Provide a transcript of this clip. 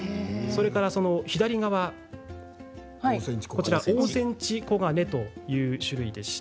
左側、オオセンチコガネという種類です。